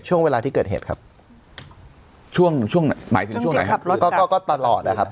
ช่วงเวลาที่เกิดเหตุครับช่วงช่วงหมายถึงช่วงไหนครับแล้วก็ก็ก็ตลอดนะครับ